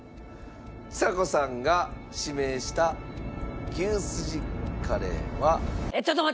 ちさ子さんが指名した牛すじカレーは。